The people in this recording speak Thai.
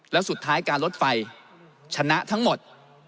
แล้วสุดท้ายการลดไฟชนะทั้งหมด